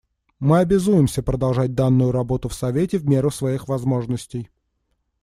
Мы обязуемся продолжать данную работу в Совете в меру своих возможностей.